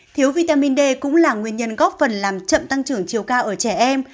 thiếu vitamin d cũng là nguyên nhân góp phần làm chậm tăng trưởng chiều cao ở trẻ em